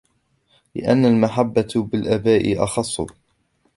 لِأَنَّ الْمَحَبَّةَ بِالْآبَاءِ أَخَصُّ